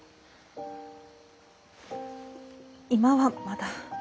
今はまだ。